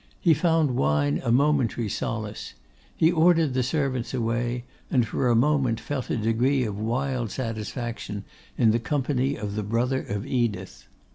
He found wine a momentary solace. He ordered the servants away, and for a moment felt a degree of wild satisfaction in the company of the brother of Edith.